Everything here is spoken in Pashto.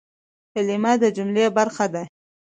کلیمه د جملې برخه ده.